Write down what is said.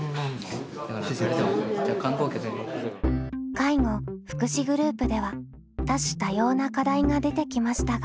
介護・福祉グループでは多種多様な課題が出てきましたが。